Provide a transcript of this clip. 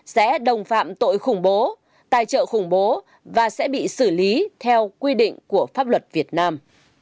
sẽ đồng phạm tội khủng bố tài trợ khủng bố và sẽ bị xử lý theo quy định của pháp luật việt nam